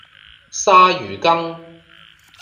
鯊魚粳